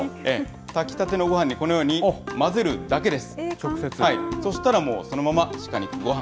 炊きたてのごはんにこのように混ぜるだけです。